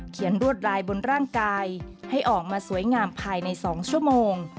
รวดลายบนร่างกายให้ออกมาสวยงามภายใน๒ชั่วโมง